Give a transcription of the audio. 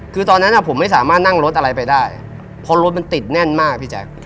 คือตอนนั้นผมไม่สามารถนั่งรถอะไรไปได้เพราะรถมันติดแน่นมากพี่แจ๊ค